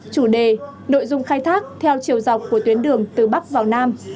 chủ đề nội dung khai thác theo chiều dọc của tuyến đường từ bắc vào nam